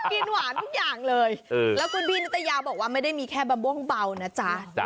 กินหวานทุกอย่างเลยแล้วคุณพี่นิตยาบอกว่าไม่ได้มีแค่มะม่วงเบานะจ๊ะ